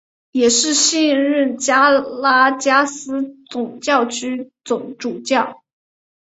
也是现任加拉加斯总教区总主教。